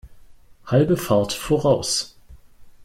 Halbe Fahrt voraus!